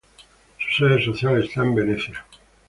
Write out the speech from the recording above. Su sede social está en Venecia.